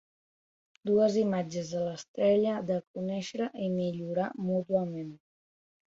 Dues imatges de l'estrella de conèixer i millorar mútuament.